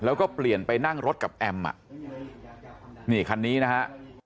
แล้วก็เปลี่ยนไปนั่งรถกับแอมอ่ะนี่คันนี้นะฮะ